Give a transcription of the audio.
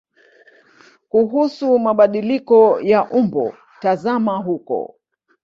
Kuhusu mabadiliko ya umbo tazama huko.